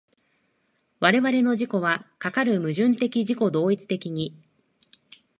我々の自己はかかる矛盾的自己同一的に